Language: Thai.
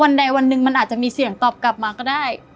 วันใดวันหนึ่งมันอาจจะมีเสียงตอบกลับมาก็ได้